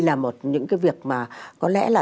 là một những cái việc mà có lẽ là